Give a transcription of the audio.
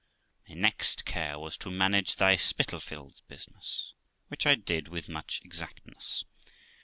My next care was to manage thy Spitalfields business, which I did with much exactness.